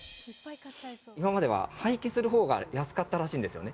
今までは廃棄するほうが安かったらしいんですよね。